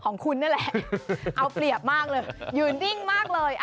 ของคุณนี่แหละเอาเปรียบมากเลยยืนนิ่งมากเลย